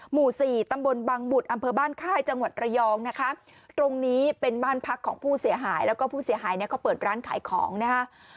หมู่สี่ตำบลบังบุตรอำเภอบ้านค่ายจังหวัดระยองนะคะตรงนี้เป็นบ้านพักของผู้เสียหายแล้วก็ผู้เสียหายเนี่ยเขาเปิดร้านขายของนะฮะ